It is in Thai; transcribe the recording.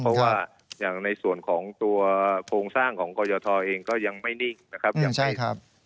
เพราะว่าอย่างในส่วนของตัวโครงสร้างของกรยทเองก็ยังไม่นิ่งนะครับ